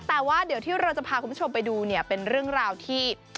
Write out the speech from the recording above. แต่ว่าเดี๋ยวที่เราจะพาคุณผู้ชมไปดูเนี่ยเป็นเรื่องราวที่